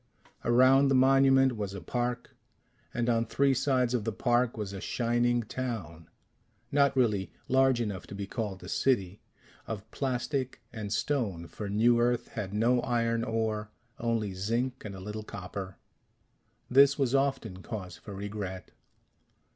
Around the monument was a park, and on three sides of the park was a shining town not really large enough to be called a city of plastic and stone, for New Earth had no iron ore, only zinc and a little copper. This was often cause for regret.